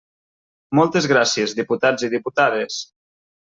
Moltes gràcies, diputats i diputades.